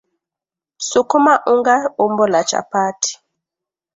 sukuma unga umbo la chapati